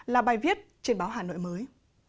là bài viết trên báo hà nội mới